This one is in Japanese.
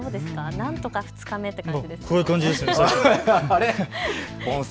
なんとか２日目という感じですかね。